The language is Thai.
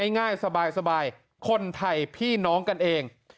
ง่ายสบายคนไทยพี่น้องกันเอง